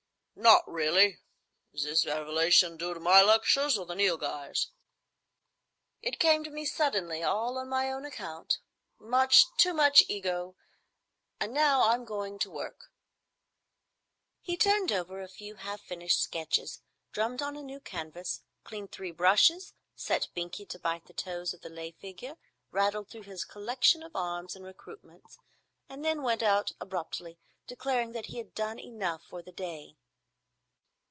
"Not really! Is this revelation due to my lectures, or the Nilghai's?" "It came to me suddenly, all on my own account. Much too much Ego; and now I'm going to work." He turned over a few half finished sketches, drummed on a new canvas, cleaned three brushes, set Binkie to bite the toes of the lay figure, rattled through his collection of arms and accoutrements, and then went out abruptly, declaring that he had done enough for the day.